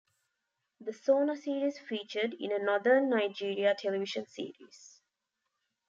The Sauna series featured in a northern Nigeria television series.